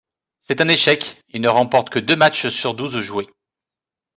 C'est un échec, il ne remporte que deux matchs sur douze joués.